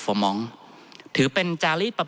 ท่านประธานครับนี่คือสิ่งที่สุดท้ายของท่านครับ